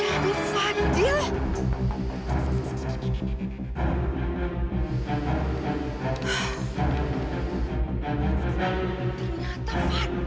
baru penerbit nicky jazz charles